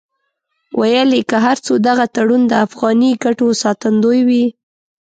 ویل یې که هر څو دغه تړون د افغاني ګټو ساتندوی وي.